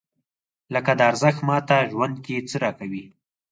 لکه دا ارزښت ماته ژوند کې څه راکوي؟